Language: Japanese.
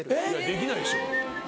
できないでしょ。